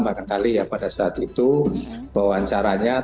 bahkan kali ya pada saat itu pewawancaranya